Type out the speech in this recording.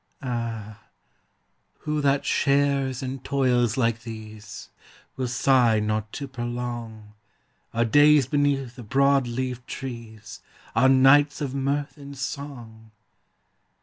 Ah, who that shares in toils like these Will sigh not to prolong Our days beneath the broad leaved trees, Our nights of mirth and song?